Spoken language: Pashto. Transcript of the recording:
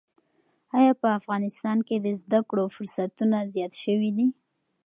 ایا په افغانستان کې د زده کړو فرصتونه زیات شوي دي؟